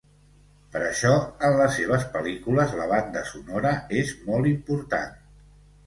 Per això, en les seves pel·lícules, la banda sonora és molt important.